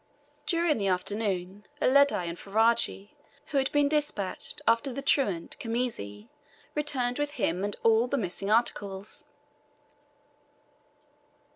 During the afternoon, Uledi and Ferajji, who had been despatched after the truant Khamisi, returned with him and all the missing articles.